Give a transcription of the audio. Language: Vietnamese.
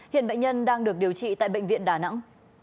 hiện bệnh nhân đang được điều trị tại bệnh viện đà nẵng